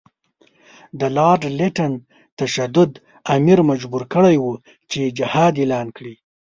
د لارډ لیټن تشدد امیر مجبور کړی وو چې جهاد اعلان کړي.